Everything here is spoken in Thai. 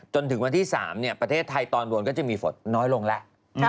จนถึงวันที่๓ประเทศไทยตอนบนก็จะมีฝนน้อยลงแล้ว